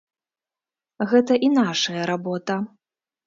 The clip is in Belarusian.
Гэта і нашая работа.